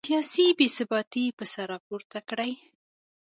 سیاسي بې ثباتي به سر راپورته کړي.